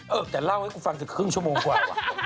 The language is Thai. เออแต่เล่าให้กูฟังจะครึ่งชั่วโมงกว่า